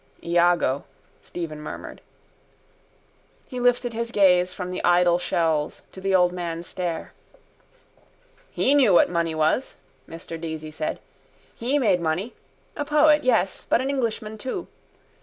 _ —Iago, Stephen murmured. He lifted his gaze from the idle shells to the old man's stare. —He knew what money was, Mr Deasy said. He made money. A poet, yes, but an Englishman too.